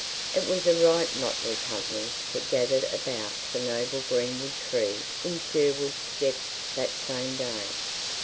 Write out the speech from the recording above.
It was a right motley company that gathered about the noble greenwood tree in Sherwood's depths that same day.